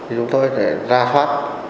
chúng tôi sẽ ra phát